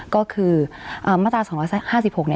ก็คือมาตรา๒๕๖